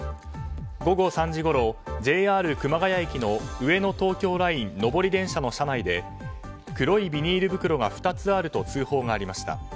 午後３時ごろ、ＪＲ熊谷駅の上野東京ライン上り電車の車内で黒いビニール袋が２つあると通報がありました。